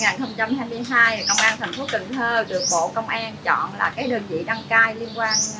năm hai nghìn hai mươi hai công an thành phố cần thơ được bộ công an chọn là đơn vị đăng cai liên quan